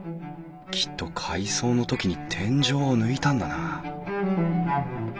きっと改装の時に天井を抜いたんだな